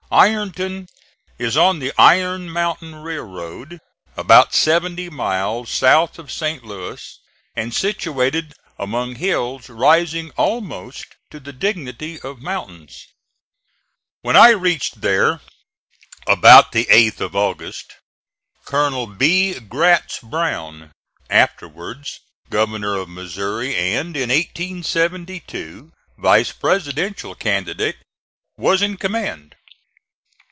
Ironton is on the Iron Mountain railroad, about seventy miles south of St. Louis, and situated among hills rising almost to the dignity of mountains. When I reached there, about the 8th of August, Colonel B. Gratz Brown afterwards Governor of Missouri and in 1872 Vice Presidential candidate was in command.